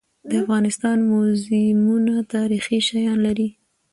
د افغانستان موزیمونه تاریخي شیان لري.